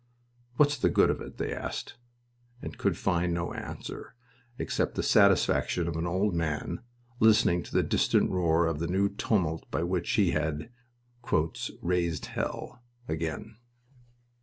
"What's the good of it?" they asked, and could find no answer except the satisfaction of an old man listening to the distant roar of the new tumult by which he had "raised hell" again.